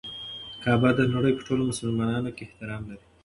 کعبه د نړۍ په ټولو مسلمانانو کې احترام لري.